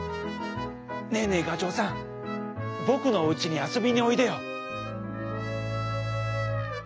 ねえねえがちょうさんぼくのおうちにあそびにおいでよ！」。